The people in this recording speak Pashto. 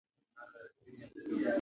د ژوند ستونزې د شخصیت ودې لامل ګرځي.